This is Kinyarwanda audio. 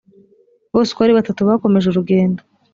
bose uko ari batatu bakomeje urugendo